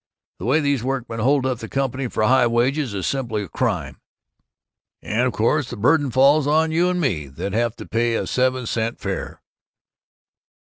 The way these workmen hold up the Company for high wages is simply a crime, and of course the burden falls on you and me that have to pay a seven cent fare!